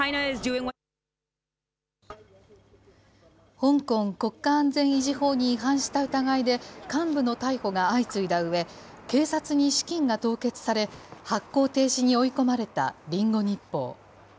香港国家安全維持法に違反した疑いで、幹部の逮捕が相次いだうえ、警察に資金が凍結され、発行停止に追い込まれたリンゴ日報。